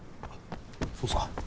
そうですか。